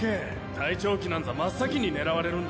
隊長機なんざ真っ先に狙われるんだ。